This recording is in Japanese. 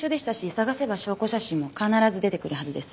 探せば証拠写真も必ず出てくるはずです。